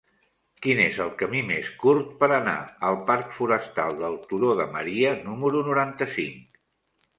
Quin és el camí més curt per anar al parc Forestal del Turó de Maria número noranta-cinc?